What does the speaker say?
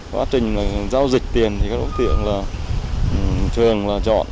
quá trình giao dịch tiền thì các đối tượng trường chọn